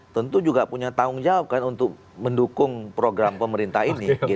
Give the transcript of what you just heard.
tentu juga punya tanggung jawab kan untuk mendukung program pemerintah ini